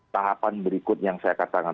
tahapan berikut yang saya katakan